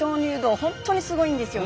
本当にすごいんですよ